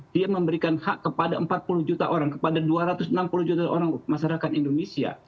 dia memberikan hak kepada empat puluh juta orang kepada dua ratus enam puluh juta orang masyarakat indonesia